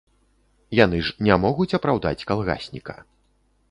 Яны ж не могуць апраўдаць калгасніка.